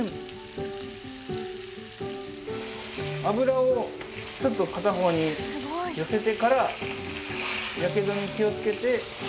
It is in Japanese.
油をちょっと片方に寄せてからやけどに気をつけてはい。